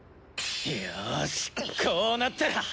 よしこうなったら！